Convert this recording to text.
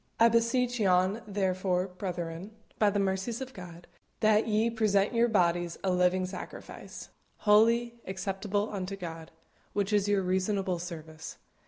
I beseech yon therefore, brethren, by the mercies of God, that ye present your bodies a living sacrifice, holy, acceptable unto God, which is your reasonable service.